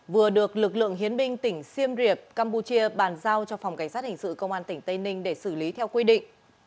vừa được lực lượng hiến binh tỉnh xiêm riệp campuchia bàn giao cho phòng cảnh sát hình sự công an tỉnh tây ninh để xử lý theo quy định